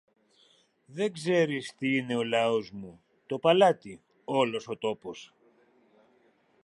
Δεν ξέρεις τι είναι ο λαός μου, το παλάτι, όλος ο τόπος.